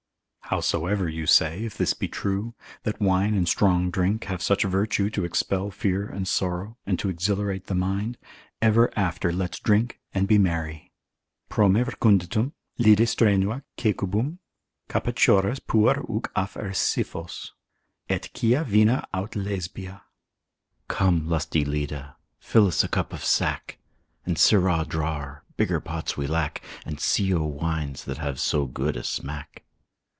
Howsoever you say, if this be true, that wine and strong drink have such virtue to expel fear and sorrow, and to exhilarate the mind, ever hereafter let's drink and be merry. Prome reconditum, Lyde strenua, caecubum, Capaciores puer huc affer Scyphos, Et Chia vina aut Lesbia. Come, lusty Lyda, fill's a cup of sack, And, sirrah drawer, bigger pots we lack, And Scio wines that have so good a smack.